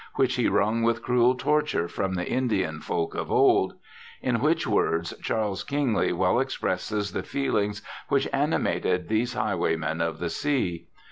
Which he wrung with cruel torture from the Indian folk of old in which words Charles Kingsley well expresses the feelings which animated these highwaymen of the sea.